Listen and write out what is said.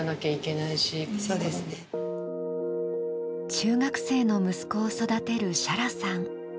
中学生の息子を育てる沙羅さん。